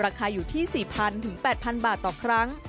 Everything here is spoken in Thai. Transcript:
ราคาอยู่ที่๔๐๐๘๐๐บาทต่อครั้ง